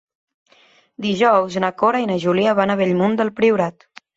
Dijous na Cora i na Júlia van a Bellmunt del Priorat.